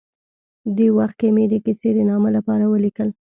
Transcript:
دې وخت کې مې د کیسې د نامه لپاره ولیکل.